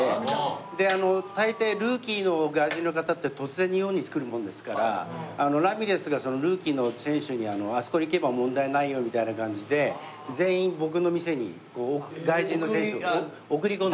で大抵ルーキーの外国人の方って突然日本に来るものですからラミレスがルーキーの選手にあそこに行けば問題ないよみたいな感じで全員僕の店に外国人の選手を送り込んできたんです。